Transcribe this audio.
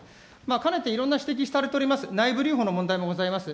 かねていろんな指摘されております、内部留保の問題もございます。